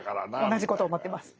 同じこと思ってます。